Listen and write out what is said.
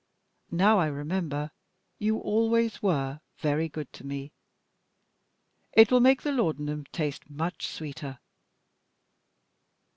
Now I remember, you always were very good to me. It will make the laudanum taste much sweeter.